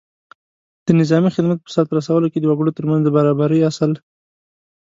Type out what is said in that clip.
د نظامي خدمت په سرته رسولو کې د وګړو تر منځ د برابرۍ اصل